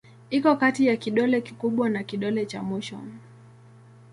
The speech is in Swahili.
Iko kati ya kidole kikubwa na kidole cha mwisho.